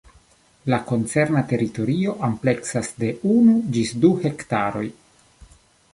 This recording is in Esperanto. La koncerna teritorio ampleksas de unu ĝis du hektaroj.